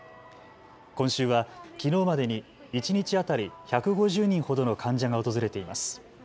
今週はきのうまでに一日当たり１５０人ほどの患者が訪れています。